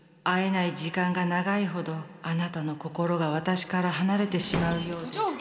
会えない時間が長いほど貴男の心が私から離れてしまうようで」。